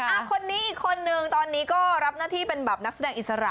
คนนี้อีกคนนึงตอนนี้ก็รับหน้าที่เป็นแบบนักแสดงอิสระ